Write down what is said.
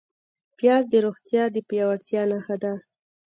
پیاز د روغتیا د پیاوړتیا نښه ده